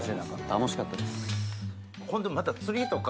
楽しかったです。